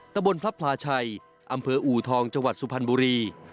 ตะบนพระพลาชัยอำเภออูทองจังหวัดสุพรรณบุรี